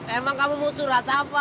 emang kamu mau curhat apa